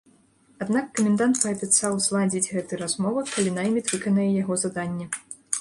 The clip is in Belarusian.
Аднак, камендант паабяцаў зладзіць гэты размова, калі найміт выканае яго заданне.